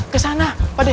ke sana pak de